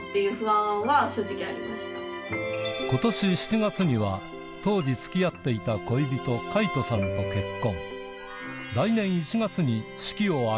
今年７月には当時付き合っていた恋人海斗さんと結婚